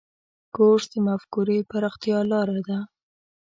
کورس د مفکورې پراختیا لاره ده.